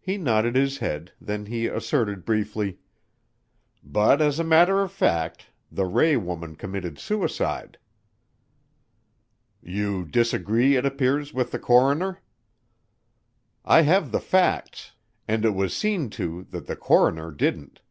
He nodded his head, then he asserted briefly. "But as a matter of fact the Ray woman committed suicide." "You disagree, it appears, with the coroner." "I have the facts and it was seen to that the coroner didn't."